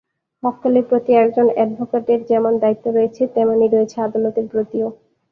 মক্কেলের প্রতি একজন অ্যাডভোকেটের যেমন দায়িত্ব রয়েছে, তেমনি রয়েছে আদালতের প্রতিও।